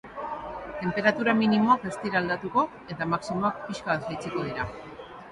Tenperatura minimoak ez dira aldatuko eta maximoak pixka bat jaitsiko dira.